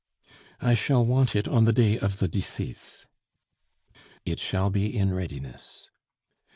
"I shall want it on the day of the decease." "It shall be in readiness."